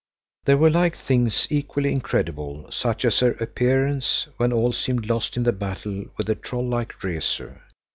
There were like things equally incredible, such as her appearance, when all seemed lost, in the battle with the troll like Rezu.